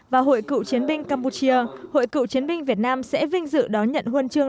và hội cựu chiến binh campuchia hội cựu chiến binh việt nam sẽ vinh dự đón nhận huân chương